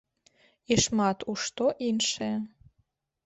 І шмат у што іншае.